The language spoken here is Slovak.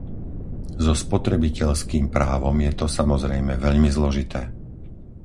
So spotrebiteľským právom je to, samozrejme, veľmi zložité.